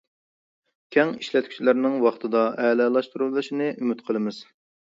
كەڭ ئىشلەتكۈچىلەرنىڭ ۋاقتىدا ئەلالاشتۇرۇۋېلىشىنى ئۈمىد قىلىمىز!